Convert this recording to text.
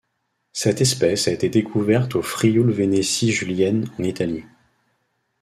Cette espèce a été découverte au Frioul-Vénétie julienne en Italie.